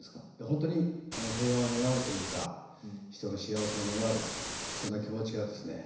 本当に平和を願うというか人の幸せを願うそんな気持ちがですね